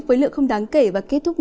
với lượng không đáng kể và kết thúc mưa